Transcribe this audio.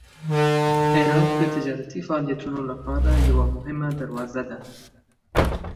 هرات د تجارتي فعالیتونو لپاره یوه مهمه دروازه ده.